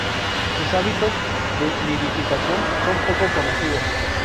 Sus hábitos de nidificación son poco conocidos.